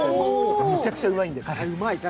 むちゃくちゃうまいので。